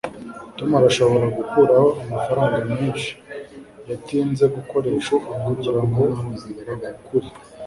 tom arashobora gukuraho amafaranga menshi, yatinze gusoreshwa, kugirango akukure